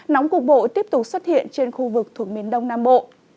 nóng cục bộ tiếp tục xuất hiện trên khu vực thuộc miền đông nam bộ